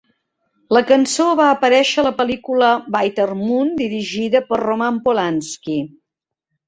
La cançó va aparèixer a la pel·lícula "Bitter Moon", dirigida per Roman Polanski.